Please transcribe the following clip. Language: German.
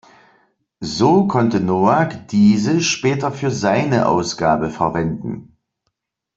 So konnte Nowak diese später für seine Ausgabe verwenden.